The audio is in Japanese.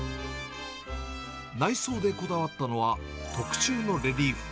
内装でこだわったのは、特注のレリーフ。